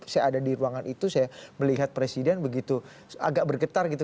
saya ada di ruangan itu saya melihat presiden begitu agak bergetar gitu